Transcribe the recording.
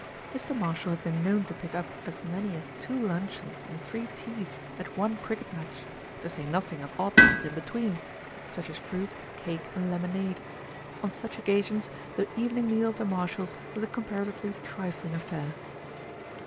Mr. Marshall had been known to pick up as many as two luncheons and three teas at one cricket match, to say nothing of oddments in between, such as fruit, cake and lemonade. On such occasions the evening meal of the Marshalls was a comparatively trifling affair.